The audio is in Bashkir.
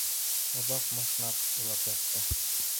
Оҙаҡ мышнап илап ятты.